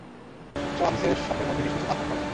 এসব হাদীসের শব্দের মধ্যে কিছু কিছু পার্থক্য আছে।